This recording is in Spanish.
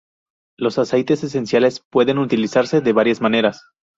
Los aceites esenciales pueden utilizarse de varias maneras.